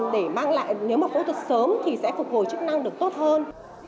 để mang lại nếu mà phẫu thuật sớm thì sẽ phục hồi chức năng được tốt hơn